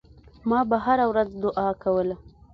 ما به هره ورځ دعا کوله.